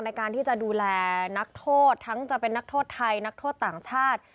ในการที่จะดูแลนักโทษทั้งจะเป็นนักโทษไทยนักโทษต่างชาติ